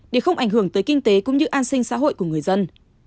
để không ảnh hưởng tới kinh tế cũng như an sinh xã hội của người dân